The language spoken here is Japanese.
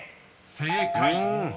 ［正解。